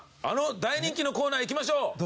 あの大人気のコーナー行きましょう。